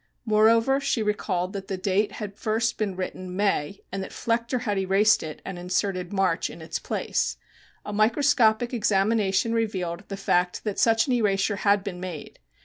Moreover, she recalled that the date had first been written May and that Flechter had erased it and inserted March in its place. A microscopic examination revealed the fact that such an erasure had been made.